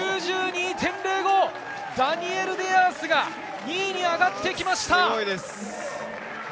ダニエル・デアースが２位に上がってきました！